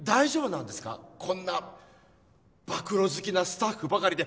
こんな暴露好きなスタッフばかりで。